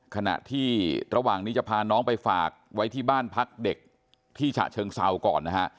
ขณะที่ระหว่างนี้จะพาน้องไปฝากไว้ที่บ้านพักเด็กที่ฉะเชิงเซาก่อนนะฮะ